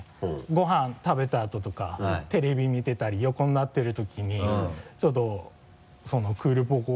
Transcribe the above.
ご飯食べたあととかテレビ見てたり横になってるときにちょっとクールポコ。